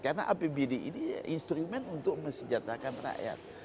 karena apbd ini instrumen untuk mesejahterakan rakyat